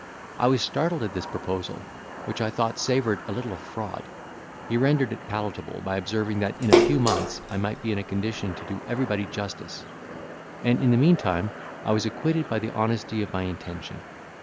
I was startled at this proposal, which I thought savoured a little of fraud; he rendered it palatable, by observing that, in a few months, I might be in a condition to do everybody justice; and, in the meantime, I was acquitted by the honesty of my intention.